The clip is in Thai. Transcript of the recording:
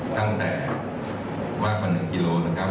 ตั้งแต่ว่าเป็น๑กิโลนะครับ